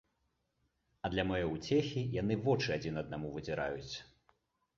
А для маёй уцехі яны вочы адзін аднаму выдзіраюць.